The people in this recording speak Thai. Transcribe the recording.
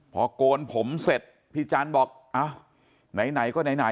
พอโกนผมเสร็จพี่จานบอกไหนก็ไหน